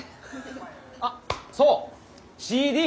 あっそう！